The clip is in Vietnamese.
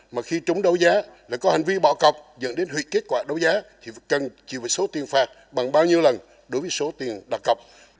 mà khi chúng đấu giá lại có hành vi bỏ cọc dẫn đến hủy kết quả đấu giá thì cần chịu với số tiền phạt bằng bao nhiêu lần đối với số tiền đặt cọc